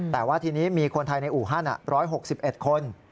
แต่ว่าทีนี้มีคนไทยในอู่ฮั่น๑๖๑คน